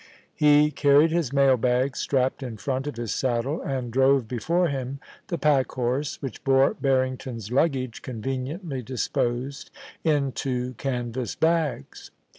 He carried his mail bags strapped in front of his saddle, and drove before him the pack horse, which bore Barrington's luggage conveniently disposed in two canvas bags.